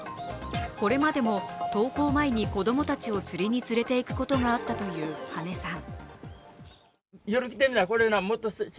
これまでも登校前に子供たちを釣りに連れていくことがあったという羽根さん。